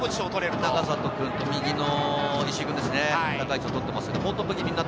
高さとか、右の石井君、高い位置をとってますね。